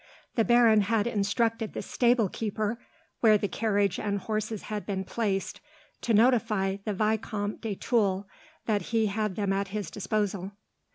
The baron had instructed the stable keeper, where the carriage and horses had been placed, to notify the Vicomte de Tulle that he held them at his disposal.